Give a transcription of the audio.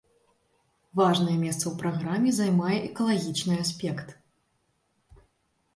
Важнае месца ў праграме займае экалагічны аспект.